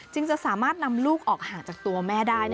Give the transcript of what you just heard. จะสามารถนำลูกออกห่างจากตัวแม่ได้